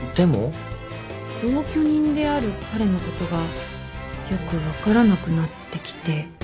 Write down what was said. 同居人である彼のことがよく分からなくなってきて。